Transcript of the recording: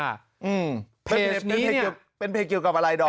อืมเป็นเพจเกี่ยวกับอะไรดอม